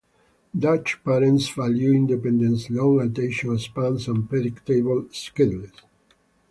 Dutch parents value independence, long attention spans, and predictable schedules.